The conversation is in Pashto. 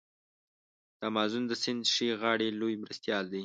د امازون د سیند ښي غاړی لوی مرستیال دی.